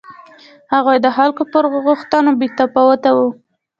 هغوی د خلکو پر غوښتنو بې تفاوته و.